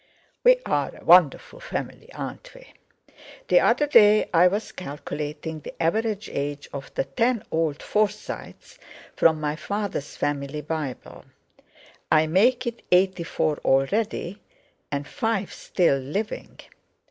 "We're a wonderful family, aren't we? The other day I was calculating the average age of the ten old Forsytes from my father's family Bible. I make it eighty four already, and five still living.